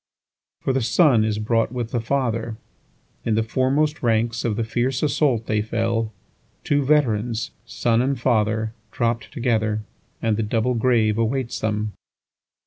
5For the son is brought with the father; In the foremost ranks of the fierce assault they fell; Two veterans, son and father, dropt together, And the double grave awaits them.